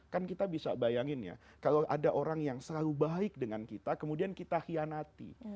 kan kita bisa bayangin ya kalau ada orang yang selalu baik dengan kita kemudian kita hianati